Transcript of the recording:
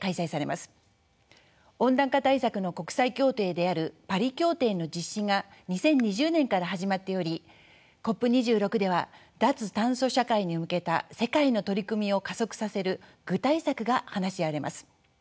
温暖化対策の国際協定であるパリ協定の実施が２０２０年から始まっておりＣＯＰ２６では脱炭素社会に向けた世界の取り組みを加速させる具体策が話し合われます。